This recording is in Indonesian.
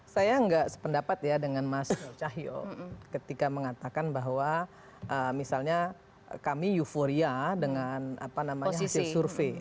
saya nggak sependapat ya dengan mas cahyo ketika mengatakan bahwa misalnya kami euforia dengan hasil survei